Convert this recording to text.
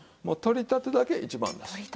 もう取りたてだけ一番だし。